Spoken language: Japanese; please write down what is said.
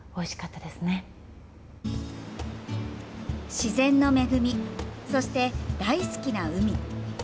自然の恵みそして大好きな海。